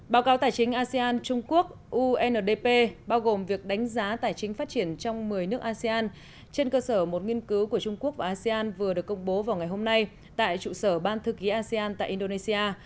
báo cáo tài chính asean trung quốc undp bao gồm việc đánh giá tài chính phát triển trong một mươi nước asean trên cơ sở một nghiên cứu của trung quốc và asean vừa được công bố vào ngày hôm nay tại trụ sở ban thư ký asean tại indonesia